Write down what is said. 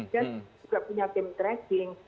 dan juga punya tim tracking